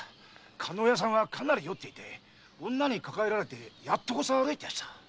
加納屋さんはかなり酔っていて女に抱えられてやっとこさ歩いてました。